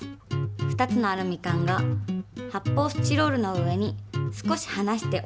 ２つのアルミ缶が発泡スチロールの上に少し離して置いてあります。